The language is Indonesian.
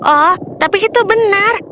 oh tapi itu benar